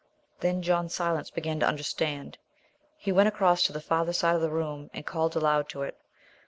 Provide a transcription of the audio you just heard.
Then John Silence began to understand. He went across to the farther side of the room and called aloud to it.